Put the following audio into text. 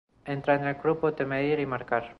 Entra en el grupo de medir y marcar.